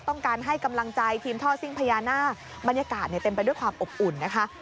ต้องการให้กำลังใจทีมท่อซิ่งพญานาคบรรยากาศเต็มไปด้วยความอบอุ่นนะคะ